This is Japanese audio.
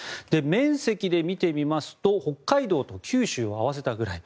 面積で見てみますと北海道と九州を合わせたくらい。